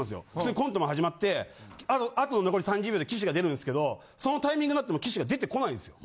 コントも始まってあと残り３０秒で岸が出るんですけどそのタイミングになっても岸が出てこないんですよ。